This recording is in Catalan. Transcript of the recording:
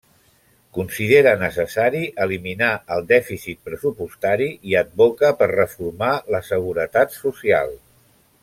Considera necessari eliminar el dèficit pressupostari i advoca per reformar la seguretat social.